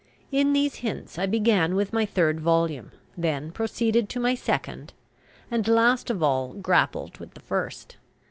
In these hints I began with my third volume, then proceeded to my second, and last of all grappled with the first.